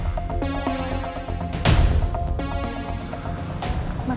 makasih ya sayang